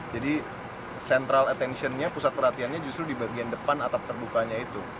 jadi sentral attentionnya pusat perhatiannya justru di bagian depan atap terbukanya itu